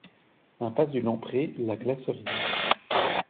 Impasse du Long Pré, La Glacerie